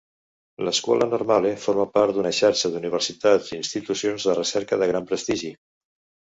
La Scuola Normale forma part d'una xarxa d'universitats i institucions de recerca de gran prestigi.